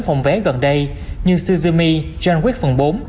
phòng vé gần đây như suzumi john wick phần bốn